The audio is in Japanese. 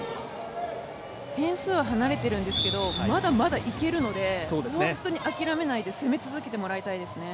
点数は離れているんですけど、まだまだいけるので本当に諦めないで攻め続けてもらいたいですね。